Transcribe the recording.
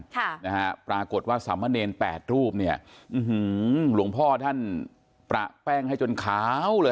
ค่ะนะฮะปรากฏว่าสามเณรแปดรูปเนี่ยอื้อหือหลวงพ่อท่านประแป้งให้จนขาวเลย